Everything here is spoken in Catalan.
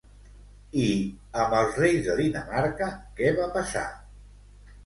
I, amb els reis de Dinamarca, què va passar?